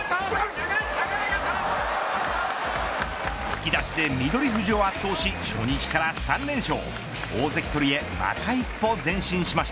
突き出しで翠富士を圧倒し初日から３連勝。